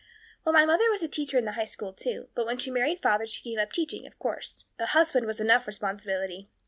Well, my mother was a teacher in the High school, too, but when she married father she gave up teaching, of course. A husband was enough responsibility.